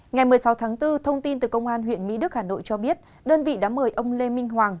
ngày một mươi sáu tháng bốn thông tin từ công an huyện mỹ đức hà nội cho biết đơn vị đã mời ông lê minh hoàng